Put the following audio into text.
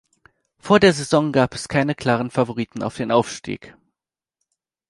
Vor der Saison gab es keine klaren Favoriten auf den Aufstieg.